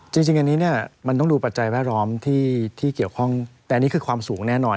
จริงอันนี้เนี่ยมันต้องดูปัจจัยแวดล้อมที่เกี่ยวข้องแต่อันนี้คือความสูงแน่นอน